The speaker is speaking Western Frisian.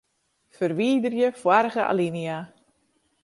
Ferwiderje foarige alinea.